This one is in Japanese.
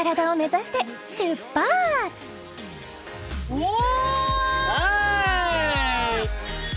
うわ！